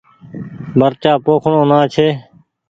مرچآ پوکڻو نآ ڇي ۔